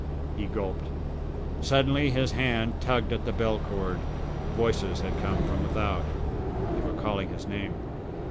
He gulped. Suddenly his hand tugged at the bell cord. Voices had come from without, they were calling his name!